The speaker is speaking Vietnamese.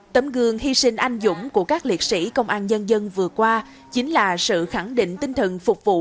tấm gương hy sinh anh dũng của các liệt sĩ công an dân dân vừa qua chính là sự khẳng định tinh thần phục vụ